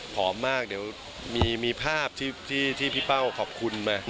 พร้อมมากเดี๋ยวมีภาพที่พี่เป้าขอบคุณมา